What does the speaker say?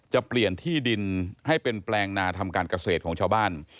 จะเปลี่ยนที่ดินให้เป็นแปลงนาทำการเกษตรของชาวบ้าน